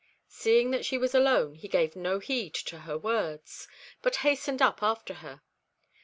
Seeing that she was alone, he gave no heed to her words, but hastened up after her.